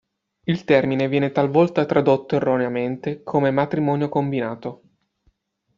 Il termine viene talvolta tradotto erroneamente come "matrimonio combinato".